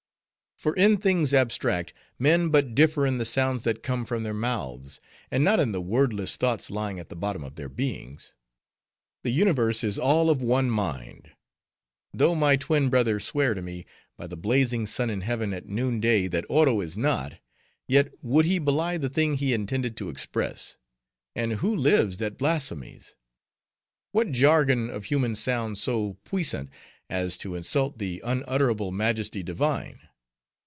For in things abstract, men but differ in the sounds that come from their mouths, and not in the wordless thoughts lying at the bottom of their beings. The universe is all of one mind. Though my twin brother sware to me, by the blazing sun in heaven at noon day, that Oro is not; yet would he belie the thing he intended to express. And who lives that blasphemes? What jargon of human sounds so puissant as to insult the unutterable majesty divine?